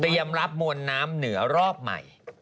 เตรียมรับมวลน้ำเหนือรอบใหม่